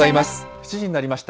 ７時になりました。